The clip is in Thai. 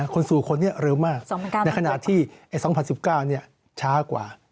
คนสู่คนนี้เร็วมากในขณะที่๒๐๑๙ช้ากว่า